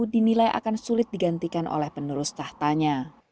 dinilai akan sulit digantikan oleh penerus tahtanya